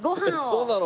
そうなの？